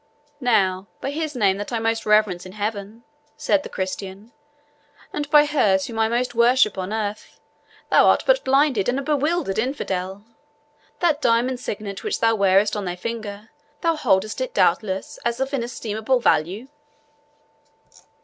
"Now, by His name that I most reverence in heaven," said the Christian, "and by hers whom I most worship on earth, thou art but a blinded and a bewildered infidel! That diamond signet which thou wearest on thy finger, thou holdest it, doubtless, as of inestimable value?"